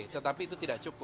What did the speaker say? tetapi itu tidak cukup